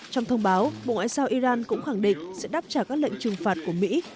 trong thông báo bộ ngoại giao iran cũng khẳng định sẽ đáp trả các lệnh trừng phạt của mỹ